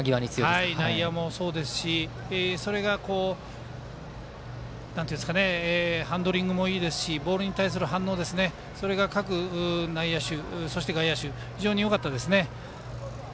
内野もそうですしハンドリングもいいですしボールに対する反応が各内野手とそして外野手もよかったですね。